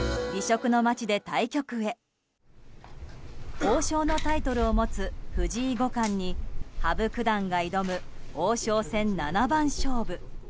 王将のタイトルを持つ藤井五冠に羽生九段が挑む王将戦七番勝負。